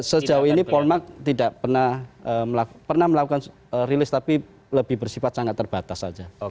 sejauh ini polmark tidak pernah melakukan rilis tapi lebih bersifat sangat terbatas saja